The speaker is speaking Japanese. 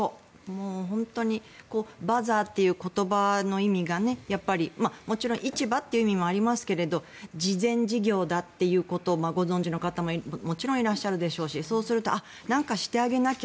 本当にバザーという言葉の意味がもちろん市場という意味もありますが慈善事業だということをご存じの方ももちろんいらっしゃるでしょうしあっ、何かしてあげなきゃ。